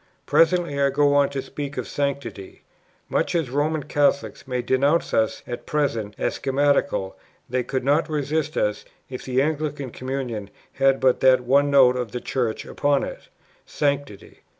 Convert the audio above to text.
Presently I go on to speak of sanctity: "Much as Roman Catholics may denounce us at present as schismatical, they could not resist us if the Anglican communion had but that one note of the Church upon it, sanctity.